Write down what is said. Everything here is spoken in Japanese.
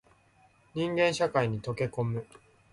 人間社会に溶け込む